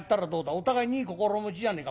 お互いにいい心持ちじゃねえか。